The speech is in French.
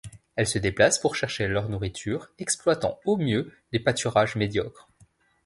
Elles se déplacent pour chercher leur nourriture, exploitant au mieux les pâturages médiocres.